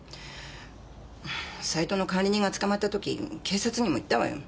サイトの管理人が捕まった時警察にも言ったわよ。